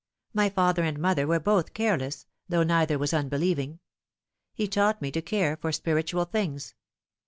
My father and mother were both careless, though neither was unbelieving. He taught me to care for spiritual things.